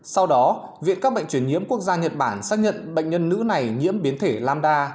sau đó viện các bệnh truyền nhiễm quốc gia nhật bản xác nhận bệnh nhân nữ này nhiễm biến thể lamda